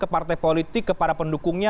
partai politik kepada pendukungnya